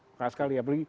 bekas sekali ya